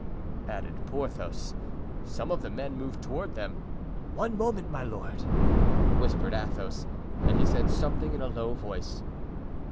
added Porthos. Some of the men moved toward them. "One moment, my lord," whispered Athos, and he said something in a low voice.